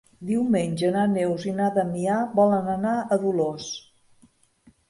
Diumenge na Neus i na Damià volen anar a Dolors.